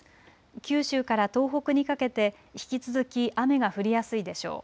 九州から東北にかけて引き続き雨が降りやすいでしょう。